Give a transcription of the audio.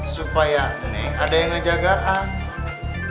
supaya nih ada yang ngejagaan